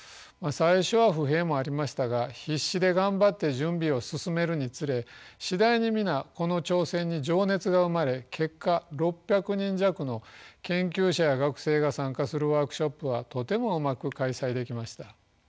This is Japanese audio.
最初は不平もありましたが必死で頑張って準備を進めるにつれ次第に皆この挑戦に情熱が生まれ結果６００人弱の研究者や学生が参加するワークショップはとてもうまく開催できました。